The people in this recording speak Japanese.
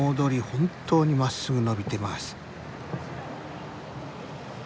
本当にまっすぐ延びてます。